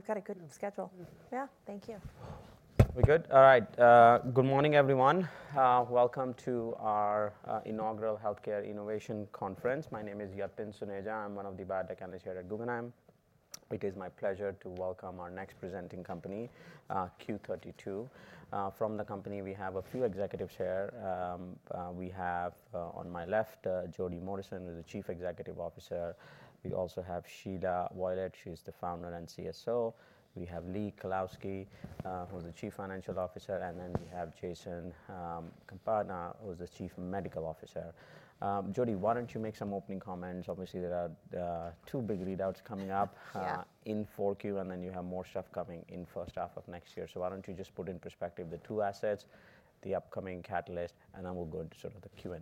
We've got a good schedule. Yeah, thank you. We're good. All right. Good morning, everyone. Welcome to our inaugural Healthcare Innovation Conference. My name is Yatin Suneja. I'm one of the biotech analysts here at Guggenheim. It is my pleasure to welcome our next presenting company, Q32. From the company, we have a few executives here. We have on my left Jodie Morrison, who's the Chief Executive Officer. We also have Shelia Violette. She's the founder and CSO. We have Lee Kalowski, who's the Chief Financial Officer. And then we have Jason Campagna, who's the Chief Medical Officer. Jodie, why don't you make some opening comments? Obviously, there are two big readouts coming up in 4Q, and then you have more stuff coming in the first half of next year. So why don't you just put in perspective the two assets, the upcoming catalyst, and then we'll go into sort of the Q&A.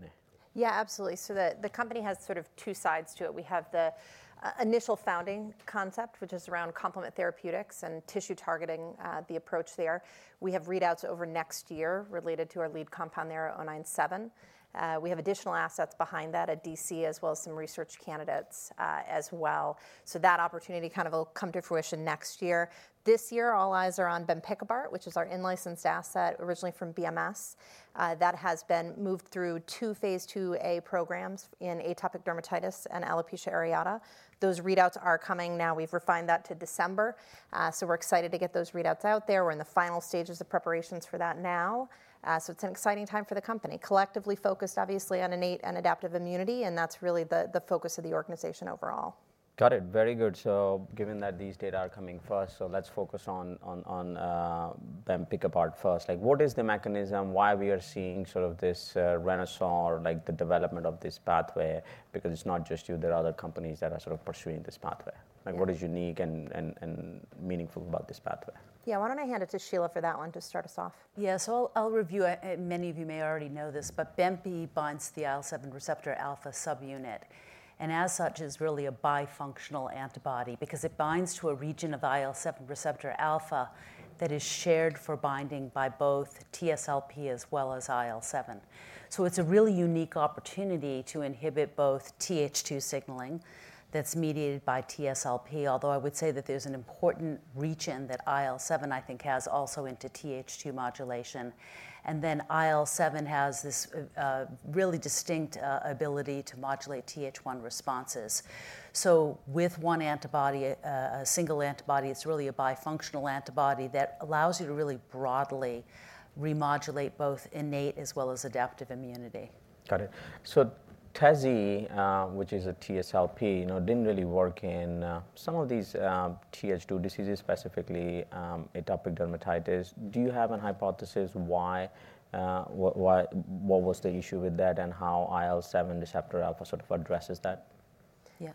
Yeah, absolutely. So the company has sort of two sides to it. We have the initial founding concept, which is around complement therapeutics and tissue targeting, the approach there. We have readouts over next year related to our lead compound there, 097. We have additional assets behind that at DC, as well as some research candidates as well. So that opportunity kind of will come to fruition next year. This year, all eyes are on bempikibart, which is our in-licensed asset originally from BMS that has been moved through two phase 2a programs in atopic dermatitis and alopecia areata. Those readouts are coming now. We've refined that to December. So we're excited to get those readouts out there. We're in the final stages of preparations for that now. So it's an exciting time for the company, collectively focused, obviously, on innate and adaptive immunity. That's really the focus of the organization overall. Got it. Very good. So given that these data are coming first, so let's focus on bempikibart first. Like, what is the mechanism? Why are we seeing sort of this renaissance or like the development of this pathway? Because it's not just you. There are other companies that are sort of pursuing this pathway. Like, what is unique and meaningful about this pathway? Yeah, why don't I hand it to Shelia for that one to start us off? Yeah, so I'll review it. Many of you may already know this, but bemp binds the IL-7 receptor alpha subunit. And as such, it's really a bifunctional antibody because it binds to a region of IL-7 receptor alpha that is shared for binding by both TSLP as well as IL-7. So it's a really unique opportunity to inhibit both TH2 signaling that's mediated by TSLP, although I would say that there's an important region that IL-7, I think, has also into TH2 modulation. And then IL-7 has this really distinct ability to modulate TH1 responses. So with one antibody, a single antibody, it's really a bifunctional antibody that allows you to really broadly remodulate both innate as well as adaptive immunity. Got it. So tezepelumab, which is a TSLP, didn't really work in some of these TH2 diseases, specifically atopic dermatitis. Do you have a hypothesis why? What was the issue with that and how IL-7 receptor alpha sort of addresses that? Yeah.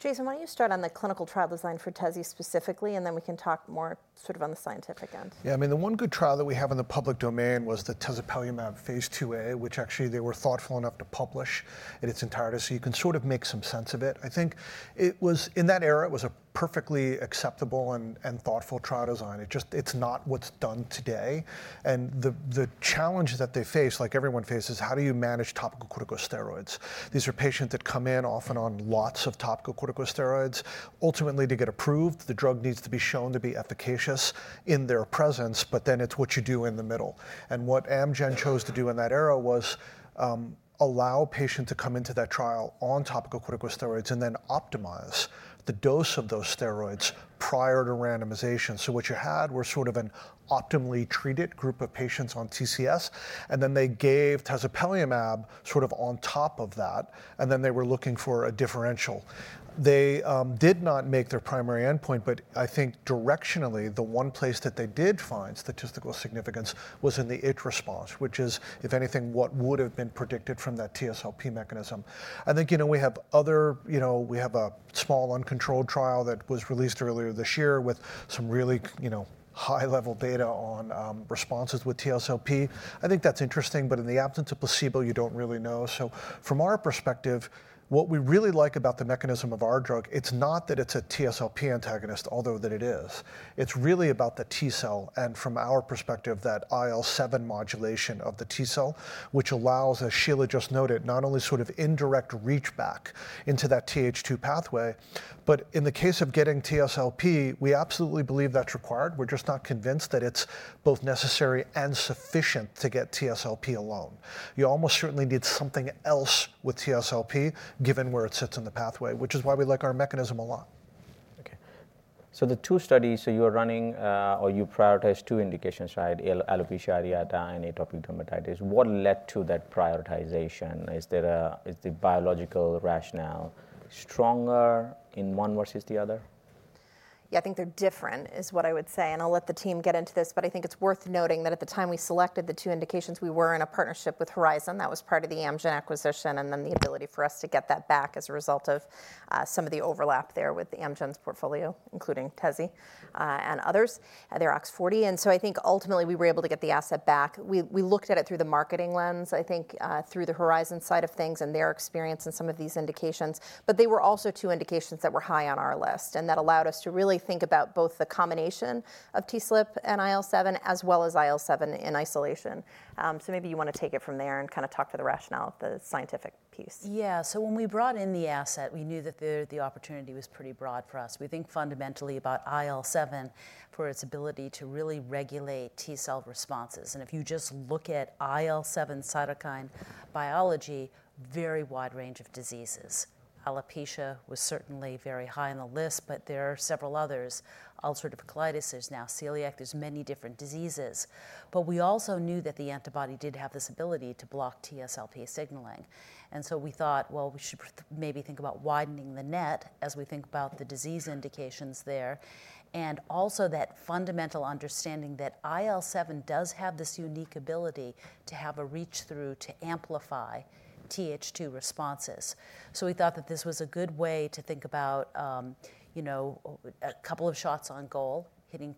Jason, why don't you start on the clinical trial design for Teze specifically, and then we can talk more sort of on the scientific end? Yeah, I mean, the one good trial that we have in the public domain was the tezepelumab phase 2a, which actually they were thoughtful enough to publish in its entirety. So you can sort of make some sense of it. I think it was in that era, it was a perfectly acceptable and thoughtful trial design. It's not what's done today. And the challenge that they face, like everyone faces, how do you manage topical corticosteroids? These are patients that come in often on lots of topical corticosteroids. Ultimately, to get approved, the drug needs to be shown to be efficacious in their presence, but then it's what you do in the middle. And what Amgen chose to do in that era was allow patients to come into that trial on topical corticosteroids and then optimize the dose of those steroids prior to randomization. So what you had was sort of an optimally treated group of patients on TCS, and then they gave tezepelumab sort of on top of that, and then they were looking for a differential. They did not make their primary endpoint, but I think directionally, the one place that they did find statistical significance was in the itch response, which is, if anything, what would have been predicted from that TSLP mechanism. I think we have a small uncontrolled trial that was released earlier this year with some really high-level data on responses with TSLP. I think that's interesting, but in the absence of placebo, you don't really know. So from our perspective, what we really like about the mechanism of our drug, it's not that it's a TSLP antagonist, although that it is. It's really about the T cell. From our perspective, that IL-7 modulation of the T cell, which allows, as Shelia just noted, not only sort of indirect reach back into that TH2 pathway, but in the case of getting TSLP, we absolutely believe that's required. We're just not convinced that it's both necessary and sufficient to get TSLP alone. You almost certainly need something else with TSLP, given where it sits in the pathway, which is why we like our mechanism a lot. Okay. So the two studies that you are running, or you prioritize two indications, right? Alopecia areata and atopic dermatitis. What led to that prioritization? Is there a biological rationale stronger in one versus the other? Yeah, I think they're different, is what I would say. And I'll let the team get into this, but I think it's worth noting that at the time we selected the two indications, we were in a partnership with Horizon. That was part of the Amgen acquisition and then the ability for us to get that back as a result of some of the overlap there with Amgen's portfolio, including TSLP and others. They're OX40. And so I think ultimately we were able to get the asset back. We looked at it through the marketing lens, I think, through the Horizon side of things and their experience in some of these indications. But they were also two indications that were high on our list, and that allowed us to really think about both the combination of TSLP and IL-7, as well as IL-7 in isolation. So maybe you want to take it from there and kind of talk to the rationale of the scientific piece. Yeah, so when we brought in the asset, we knew that the opportunity was pretty broad for us. We think fundamentally about IL-7 for its ability to really regulate T cell responses. And if you just look at IL-7 cytokine biology, very wide range of diseases. Alopecia was certainly very high on the list, but there are several others. Ulcerative colitis, there's now celiac. There's many different diseases. But we also knew that the antibody did have this ability to block TSLP signaling. And so we thought, well, we should maybe think about widening the net as we think about the disease indications there. And also that fundamental understanding that IL-7 does have this unique ability to have a reach through to amplify TH2 responses. So we thought that this was a good way to think about a couple of shots on goal, hitting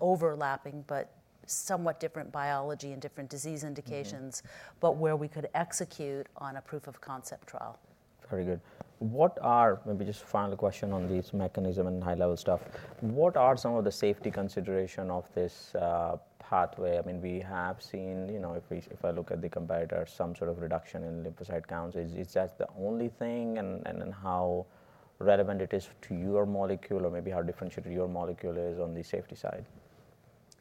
overlapping, but somewhat different biology and different disease indications, but where we could execute on a proof of concept trial. Very good. What are, maybe just final question on these mechanisms and high-level stuff, what are some of the safety considerations of this pathway? I mean, we have seen, if I look at the competitors, some sort of reduction in lymphocyte counts. Is that the only thing and how relevant it is to your molecule or maybe how differentiated your molecule is on the safety side?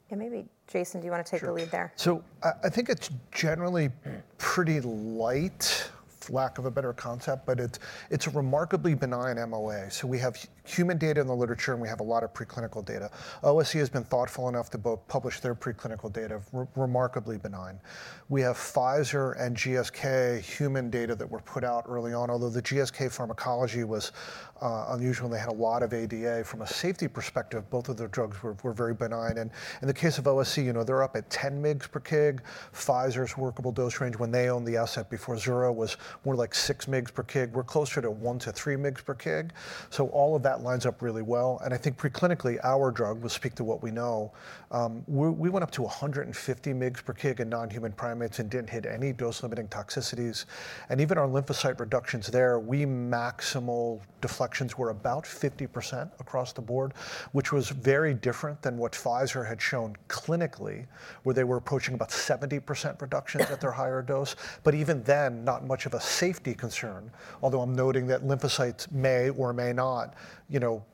Yeah, maybe, Jason, do you want to take the lead there? So I think it's generally pretty light, for lack of a better concept, but it's a remarkably benign MOA. So we have human data in the literature, and we have a lot of preclinical data. OSE has been thoughtful enough to both publish their preclinical data, remarkably benign. We have Pfizer and GSK human data that were put out early on, although the GSK pharmacology was unusual. They had a lot of ADA. From a safety perspective, both of their drugs were very benign. And in the case of OSE, they're up at 10 mg/kg. Pfizer's workable dose range, when they owned the asset before Xencor, was more like six mg/kg. We're closer to one to three mg/kg. So all of that lines up really well. I think preclinically, our drug, we'll speak to what we know, we went up to 150 mg/kg in non-human primates and didn't hit any dose-limiting toxicities. Even our lymphocyte reductions there, our maximal deflections were about 50% across the board, which was very different than what Pfizer had shown clinically, where they were approaching about 70% reductions at their higher dose. Even then, not much of a safety concern, although I'm noting that lymphocytes may or may not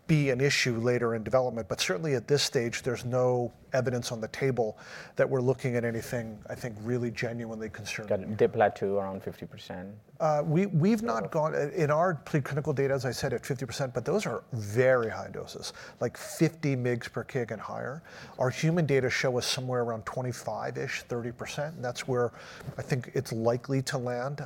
be an issue later in development. Certainly at this stage, there's no evidence on the table that we're looking at anything, I think, really genuinely concerning. Got it. Dipped that to around 50%? We've not gone in our preclinical data, as I said, at 50%, but those are very high doses, like 50 mg/kg and higher. Our human data show us somewhere around 25-ish, 30%. That's where I think it's likely to land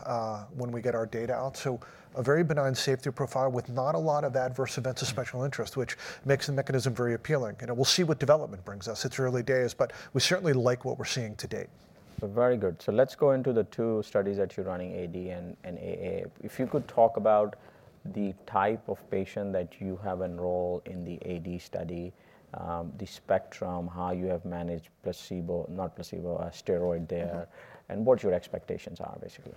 when we get our data out. So a very benign safety profile with not a lot of adverse events of special interest, which makes the mechanism very appealing. And we'll see what development brings us. It's early days, but we certainly like what we're seeing to date. Very good. So let's go into the two studies that you're running, AD and AA. If you could talk about the type of patient that you have enrolled in the AD study, the spectrum, how you have managed placebo, not placebo, steroid there, and what your expectations are, basically?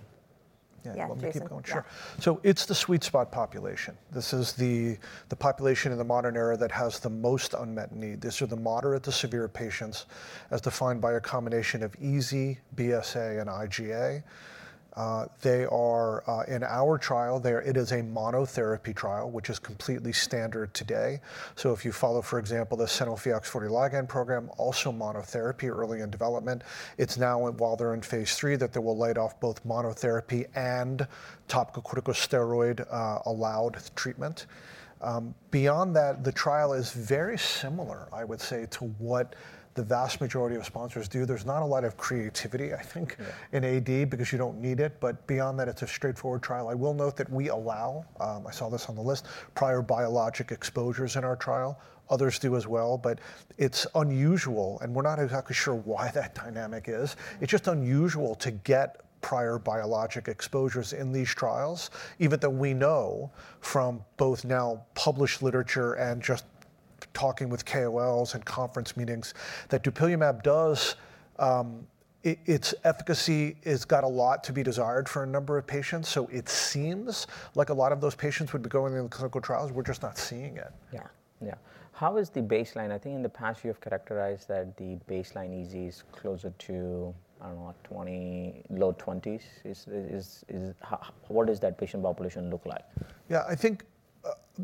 Yeah, let me keep going. Sure. So it's the sweet spot population. This is the population in the modern era that has the most unmet need. These are the moderate to severe patients as defined by a combination of EASI, BSA, and IGA. They are, in our trial, it is a monotherapy trial, which is completely standard today. So if you follow, for example, the Sanofi's OX40 ligand program, also monotherapy early in development, it's now while they're in phase three that they will allow both monotherapy and topical corticosteroid allowed treatment. Beyond that, the trial is very similar, I would say, to what the vast majority of sponsors do. There's not a lot of creativity, I think, in AD because you don't need it. But beyond that, it's a straightforward trial. I will note that we allow, I saw this on the list, prior biologic exposures in our trial. Others do as well, but it's unusual, and we're not exactly sure why that dynamic is. It's just unusual to get prior biologic exposures in these trials, even though we know from both now published literature and just talking with KOLs and conference meetings that dupilumab does. Its efficacy has got a lot to be desired for a number of patients, so it seems like a lot of those patients would be going into the clinical trials. We're just not seeing it. Yeah, yeah. How is the baseline? I think in the past, you have characterized that the baseline EASI is closer to, I don't know, 20, low 20s. What does that patient population look like? Yeah, I think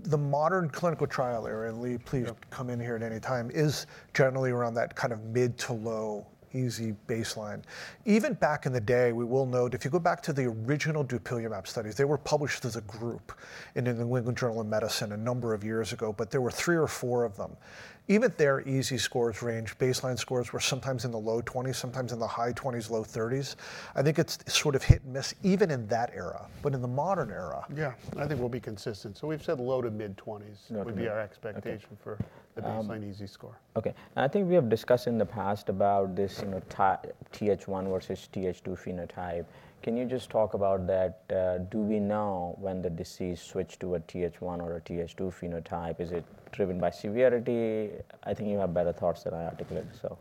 the modern clinical trial area, and Lee, please come in here at any time, is generally around that kind of mid to low EASI baseline. Even back in the day, we will note, if you go back to the original dupilumab studies, they were published as a group in the New England Journal of Medicine a number of years ago, but there were three or four of them. Even their EASI scores range, baseline scores were sometimes in the low 20s, sometimes in the high 20s, low 30s. I think it's sort of hit and miss even in that era. But in the modern era. Yeah, I think we'll be consistent. So we've said low to mid 20s would be our expectation for the baseline EASI score. Okay. I think we have discussed in the past about this TH1 versus TH2 phenotype. Can you just talk about that? Do we know when the disease switched to a TH1 or a TH2 phenotype? Is it driven by severity? I think you have better thoughts than I articulated, so.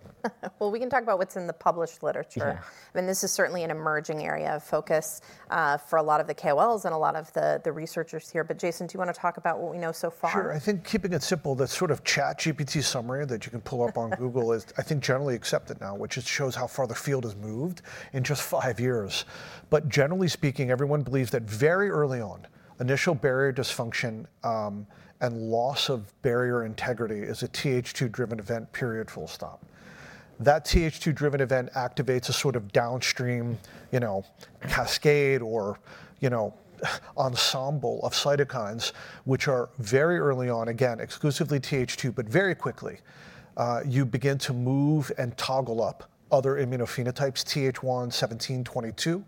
We can talk about what's in the published literature. I mean, this is certainly an emerging area of focus for a lot of the KOLs and a lot of the researchers here, but Jason, do you want to talk about what we know so far? Sure. I think keeping it simple, that sort of ChatGPT summary that you can pull up on Google is, I think, generally accepted now, which just shows how far the field has moved in just five years. But generally speaking, everyone believes that very early on, initial barrier dysfunction and loss of barrier integrity is a TH2-driven event, period, full stop. That TH2-driven event activates a sort of downstream cascade or ensemble of cytokines, which are very early on, again, exclusively TH2, but very quickly you begin to move and toggle up other immunophenotypes, TH1, 17, 22.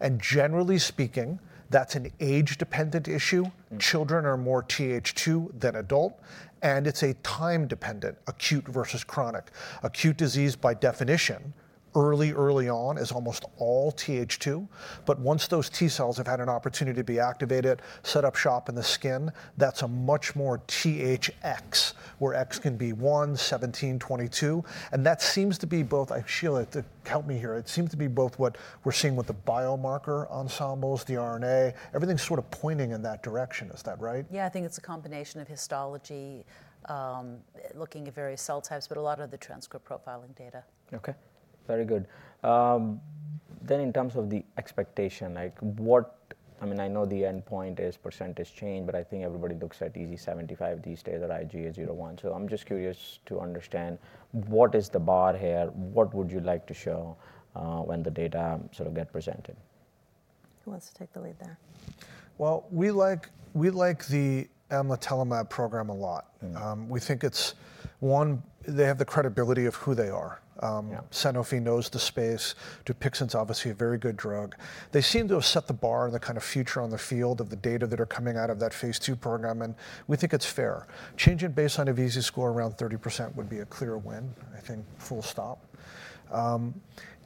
And generally speaking, that's an age-dependent issue. Children are more TH2 than adult. And it's a time-dependent, acute versus chronic. Acute disease by definition, early, early on is almost all TH2. But once those T cells have had an opportunity to be activated, set up shop in the skin, that's a much more THX, where X can be one, 17, 22. And that seems to be both, Shelia, help me here. It seems to be both what we're seeing with the biomarker ensembles, the RNA, everything's sort of pointing in that direction. Is that right? Yeah, I think it's a combination of histology, looking at various cell types, but a lot of the transcript profiling data. Okay. Very good. Then in terms of the expectation, I mean, I know the endpoint is percentage change, but I think everybody looks at EASI-75 these days or IGA 0/1. So I'm just curious to understand what is the bar here? What would you like to show when the data sort of get presented? Who wants to take the lead there? We like the amlitelimab program a lot. We think it's one; they have the credibility of who they are. Sanofi knows the space. Dupixent's obviously a very good drug. They seem to have set the bar and the kind of future on the field of the data that are coming out of that phase 2 program. We think it's fair. Change from baseline of EASI score around 30% would be a clear win, I think, full stop.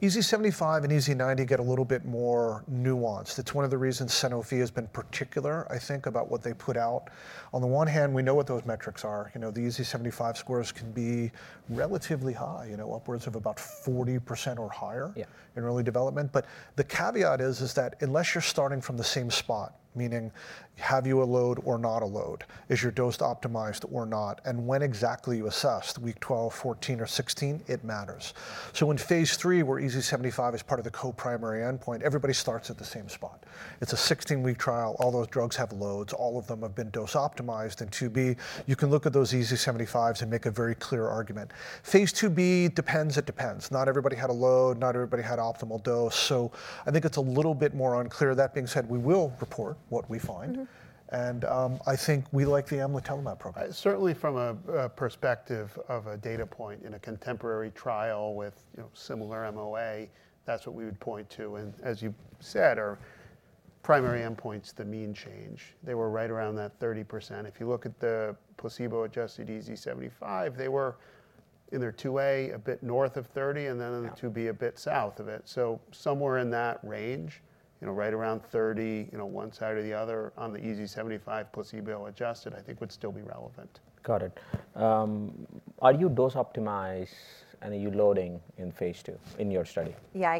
EASI-75 and EASI-90 get a little bit more nuanced. It's one of the reasons Sanofi has been particular, I think, about what they put out. On the one hand, we know what those metrics are. The EASI75 scores can be relatively high, upwards of about 40% or higher in early development. But the caveat is that unless you're starting from the same spot, meaning have you a load or not a load, is your dose optimized or not, and when exactly you assessed, week 12, 14, or 16, it matters, so in phase 3, where EASI-75 is part of the co-primary endpoint, everybody starts at the same spot. It's a 16-week trial. All those drugs have loads. All of them have been dose optimized. In 2B, you can look at those EASI-75s and make a very clear argument. Phase 2B depends. It depends. Not everybody had a load. Not everybody had optimal dose. So I think it's a little bit more unclear. That being said, we will report what we find, and I think we like the amlitelimab program. Certainly from a perspective of a data point in a contemporary trial with similar MOA, that's what we would point to. And as you said, our primary endpoints, the mean change, they were right around that 30%. If you look at the placebo-adjusted EASI-75, they were in their 2A a bit north of 30, and then in the 2B a bit south of it. So somewhere in that range, right around 30, one side or the other on the EASI-75 placebo-adjusted, I think would still be relevant. Got it. Are you dose optimized? And are you loading in phase two in your study? Yeah,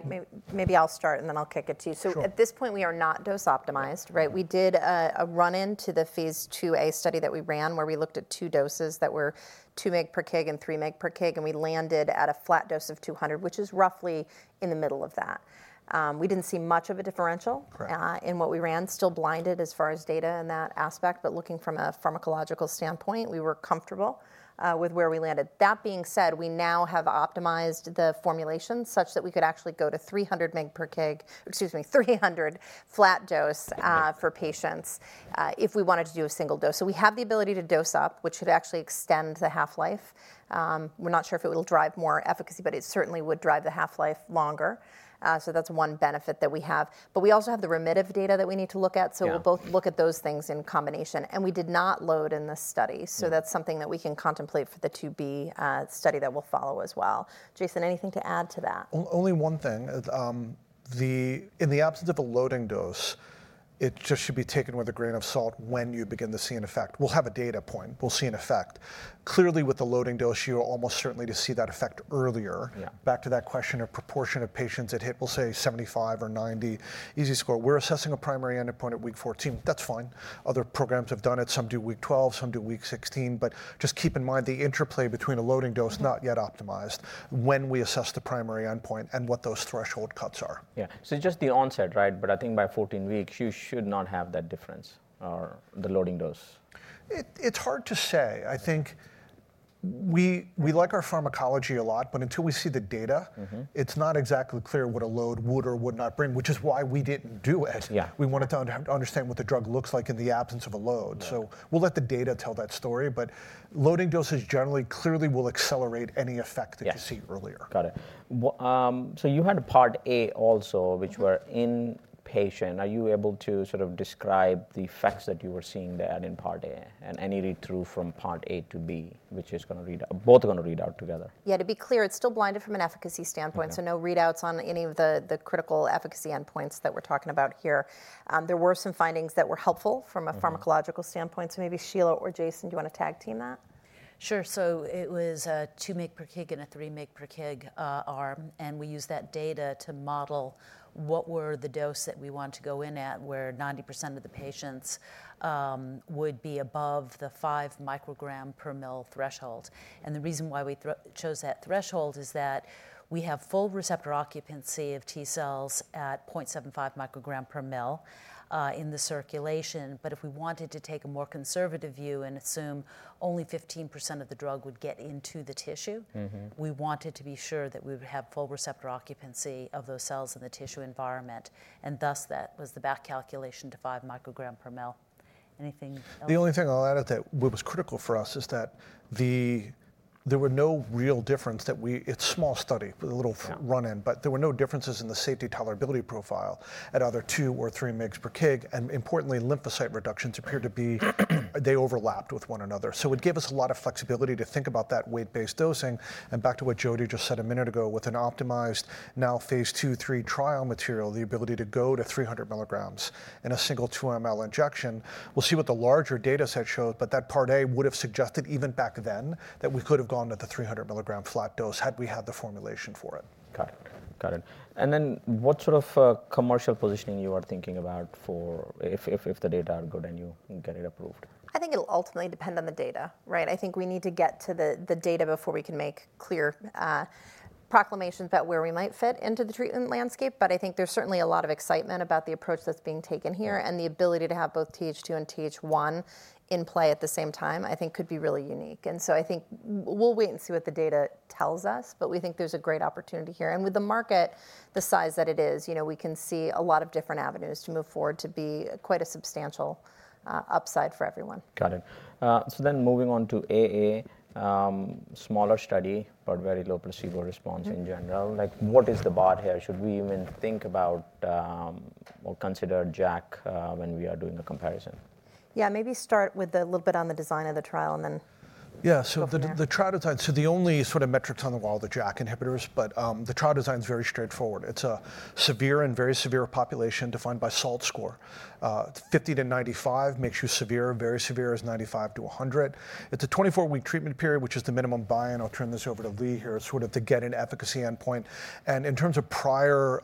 maybe I'll start, and then I'll kick it to you. So at this point, we are not dose optimized. We did a run into the phase 2a study that we ran where we looked at two doses that were 2 mg/kg and 3 mg/kg. And we landed at a flat dose of 200, which is roughly in the middle of that. We didn't see much of a differential in what we ran, still blinded as far as data in that aspect. But looking from a pharmacological standpoint, we were comfortable with where we landed. That being said, we now have optimized the formulation such that we could actually go to 300 mg/kg, excuse me, 300 flat dose for patients if we wanted to do a single dose. So we have the ability to dose up, which could actually extend the half-life. We're not sure if it will drive more efficacy, but it certainly would drive the half-life longer. So that's one benefit that we have. But we also have the remission data that we need to look at. So we'll both look at those things in combination. And we did not load in this study. So that's something that we can contemplate for the 2B study that we'll follow as well. Jason, anything to add to that? Only one thing. In the absence of a loading dose, it just should be taken with a grain of salt when you begin to see an effect. We'll have a data point. We'll see an effect. Clearly, with the loading dose, you're almost certainly to see that effect earlier. Back to that question of proportion of patients it hit, we'll say 75 or 90 EASI score. We're assessing a primary endpoint at week 14. That's fine. Other programs have done it. Some do week 12. Some do week 16. But just keep in mind the interplay between a loading dose not yet optimized when we assess the primary endpoint and what those threshold cuts are. Yeah, so just the onset, right? But I think by 14 weeks, you should not have that difference or the loading dose. It's hard to say. I think we like our pharmacology a lot, but until we see the data, it's not exactly clear what a load would or would not bring, which is why we didn't do it. We wanted to understand what the drug looks like in the absence of a load. So we'll let the data tell that story. But loading doses generally clearly will accelerate any effect that you see earlier. Got it. So you had a Part A also, which were inpatient. Are you able to sort of describe the effects that you were seeing there in Part A and any read-through from Part A to B, which is going to readout both going to readout together? Yeah, to be clear, it's still blinded from an efficacy standpoint. So no readouts on any of the critical efficacy endpoints that we're talking about here. There were some findings that were helpful from a pharmacological standpoint. So maybe Shelia or Jason, do you want to tag team that? Sure. So it was a 2 mg per kg and a 3 mg per kg arm. And we used that data to model what were the dose that we wanted to go in at where 90% of the patients would be above the 5 microgram per ml threshold. And the reason why we chose that threshold is that we have full receptor occupancy of T cells at 0.75 microgram per ml in the circulation. But if we wanted to take a more conservative view and assume only 15% of the drug would get into the tissue, we wanted to be sure that we would have full receptor occupancy of those cells in the tissue environment. And thus, that was the back calculation to 5 microgram per ml. Anything else? The only thing I'll add is that what was critical for us is that there were no real differences. It's a small study with a little run-in, but there were no differences in the safety tolerability profile at either 2 or 3 mg/kg. And importantly, lymphocyte reductions appear to be. They overlapped with one another. So it gave us a lot of flexibility to think about that weight-based dosing. And back to what Jodie just said a minute ago, with an optimized now phase 2/3 trial material, the ability to go to 300 milligrams in a single 2 mL injection. We'll see what the larger data set showed, but that Part A would have suggested even back then that we could have gone to the 300 milligram flat dose had we had the formulation for it. Got it. Got it. And then what sort of commercial positioning you are thinking about for if the data are good and you get it approved? I think it'll ultimately depend on the data. I think we need to get to the data before we can make clear proclamations about where we might fit into the treatment landscape. But I think there's certainly a lot of excitement about the approach that's being taken here. And the ability to have both TH2 and TH1 in play at the same time, I think, could be really unique. And so I think we'll wait and see what the data tells us, but we think there's a great opportunity here. And with the market, the size that it is, we can see a lot of different avenues to move forward to be quite a substantial upside for everyone. Got it. So then moving on to AA, smaller study, but very low placebo response in general. What is the bar here? Should we even think about or consider JAK when we are doing a comparison? Yeah, maybe start with a little bit on the design of the trial and then. Yeah, so the trial design, so the only sort of metrics on the wall are the JAK inhibitors, but the trial design is very straightforward. It's a severe and very severe population defined by SALT score. 50-95 makes you severe. Very severe is 95-100. It's a 24-week treatment period, which is the minimum buy-in. I'll turn this over to Lee here sort of to get an efficacy endpoint. And in terms of prior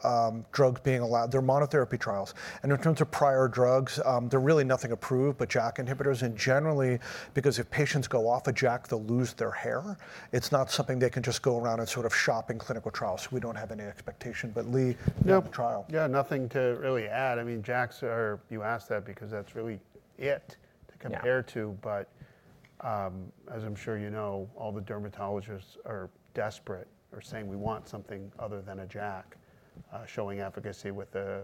drugs being allowed, they're monotherapy trials. And in terms of prior drugs, there's really nothing approved but JAK inhibitors. And generally, because if patients go off of JAK, they'll lose their hair. It's not something they can just go around and sort of shop in clinical trials. We don't have any expectation. But Lee, you have a trial. Yeah, nothing to really add. I mean, JAKs are, you asked that because that's really it to compare to. But as I'm sure you know, all the dermatologists are desperate or saying we want something other than a JAK showing efficacy with a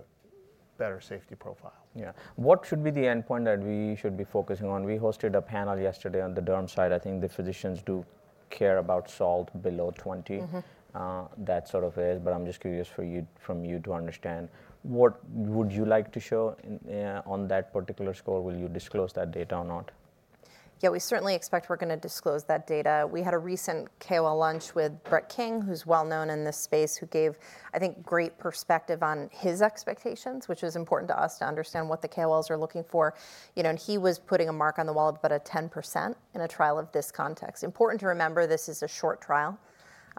better safety profile. Yeah. What should be the endpoint that we should be focusing on? We hosted a panel yesterday on the derm side. I think the physicians do care about SALT below 20. That sort of is. But I'm just curious from you to understand. What would you like to show on that particular score? Will you disclose that data or not? Yeah, we certainly expect we're going to disclose that data. We had a recent KOL lunch with Brett King, who's well known in this space, who gave, I think, great perspective on his expectations, which is important to us to understand what the KOLs are looking for. He was putting a mark on the wall of about a 10% in a trial of this context. Important to remember, this is a short trial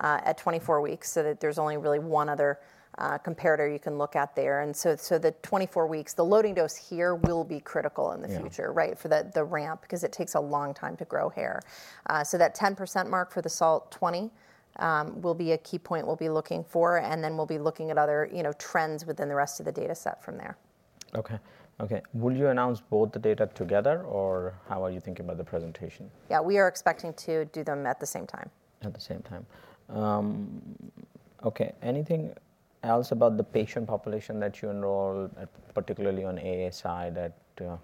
at 24 weeks, so that there's only really one other comparator you can look at there. The 24 weeks, the loading dose here will be critical in the future for the ramp because it takes a long time to grow hair. That 10% mark for the SALT 20 will be a key point we'll be looking for. And then we'll be looking at other trends within the rest of the data set from there. Okay. Will you announce both the data together, or how are you thinking about the presentation? Yeah, we are expecting to do them at the same time. At the same time. Okay. Anything else about the patient population that you enroll, particularly on AA side, that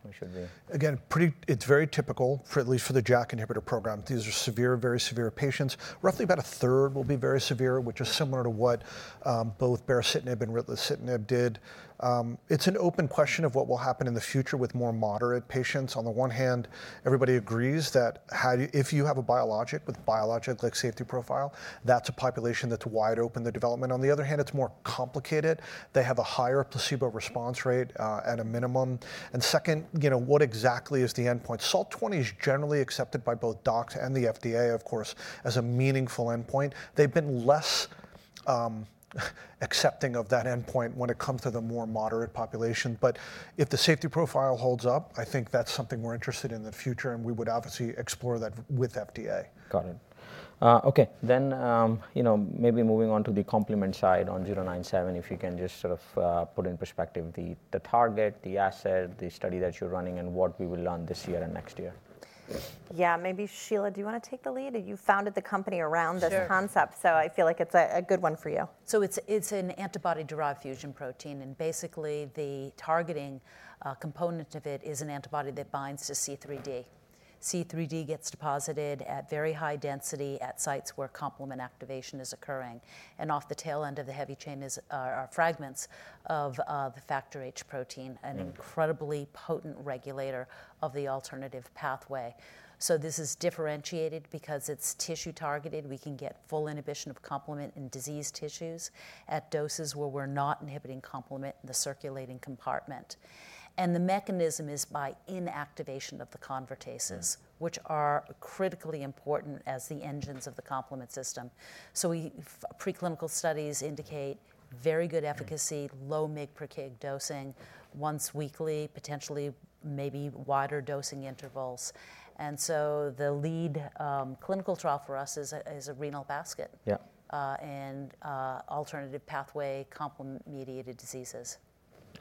we should be? Again, it's very typical, at least for the JAK inhibitor program. These are severe, very severe patients. Roughly about a third will be very severe, which is similar to what both baricitinib and ritlecitinib did. It's an open question of what will happen in the future with more moderate patients. On the one hand, everybody agrees that if you have a biologic with biologic-like safety profile, that's a population that's wide open to development. On the other hand, it's more complicated. They have a higher placebo response rate at a minimum, and second, what exactly is the endpoint? SALT 20 is generally accepted by both docs and the FDA, of course, as a meaningful endpoint. They've been less accepting of that endpoint when it comes to the more moderate population. But if the safety profile holds up, I think that's something we're interested in the future. We would obviously explore that with FDA. Got it. Okay. Then maybe moving on to the complement side on 097, if you can just sort of put in perspective the target, the asset, the study that you're running, and what we will learn this year and next year. Yeah, maybe Shelia, do you want to take the lead? You founded the company around this concept, so I feel like it's a good one for you. It's an antibody-derived fusion protein. And basically, the targeting component of it is an antibody that binds to C3d. C3d gets deposited at very high density at sites where complement activation is occurring. And off the tail end of the heavy chain are fragments of the Factor H protein, an incredibly potent regulator of the alternative pathway. So this is differentiated because it's tissue-targeted. We can get full inhibition of complement in disease tissues at doses where we're not inhibiting complement in the circulating compartment. And the mechanism is by inactivation of the convertases, which are critically important as the engines of the complement system. So preclinical studies indicate very good efficacy, low mg/kg dosing once weekly, potentially maybe wider dosing intervals. And so the lead clinical trial for us is a renal basket and alternative pathway complement-mediated diseases.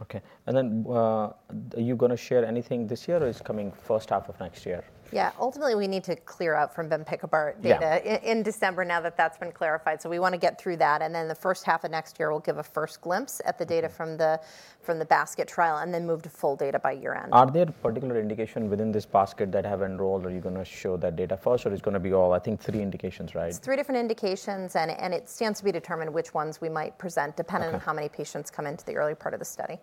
Okay. And then are you going to share anything this year or it's coming first half of next year? Yeah, ultimately, we need to clear out bempikibart data in December now that that's been clarified. So we want to get through that. And then the first half of next year, we'll give a first glimpse at the data from the basket trial and then move to full data by year-end. Are there particular indications within this basket that have enrolled? Are you going to show that data first, or it's going to be all, I think, three indications, right? It's three different indications. And it stands to be determined which ones we might present depending on how many patients come into the early part of the study.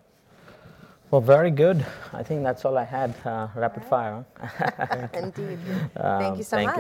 Well, very good. I think that's all I had. Rapid fire. Indeed. Thank you so much.